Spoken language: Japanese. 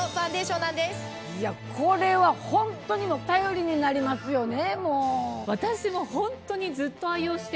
これはホントに頼りになりますよね。